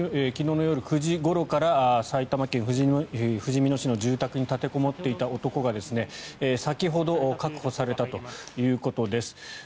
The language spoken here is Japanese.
昨日の夜９時ごろから埼玉県ふじみ野市の住宅に立てこもっていた男が先ほど確保されたということです。